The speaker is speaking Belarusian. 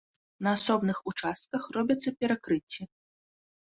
На асобных участках робяцца перакрыцці.